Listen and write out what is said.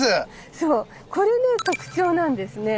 そうこれね特徴なんですね。